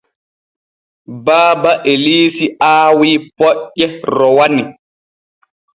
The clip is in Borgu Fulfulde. Baaba Eliisi aawi poƴƴe rowani.